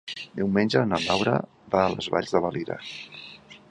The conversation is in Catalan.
Diumenge na Laura va a les Valls de Valira.